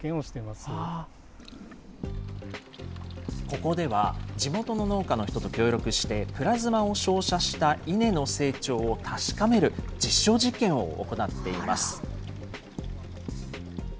ここでは、地元の農家の人と協力して、プラズマを照射した稲の成長を確かめる実証実験を行っています。